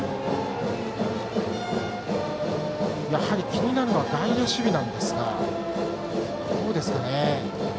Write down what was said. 気になるのは外野守備なんですがどうですかね。